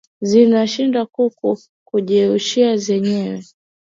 zinashindwa ku ku kujiendesha zenyewe